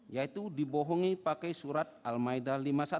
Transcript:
yaitu dibohongi pakai surat al maida lima puluh satu